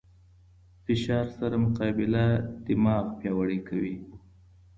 فشار سره مقابله دماغ پیاوړی کوي.